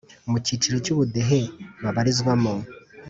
mucyiciro cy ubudehe babarizwamo